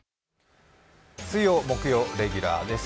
水曜・木曜レギュラーです。